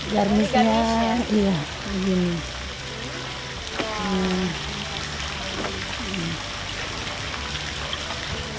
garnisnya ya begini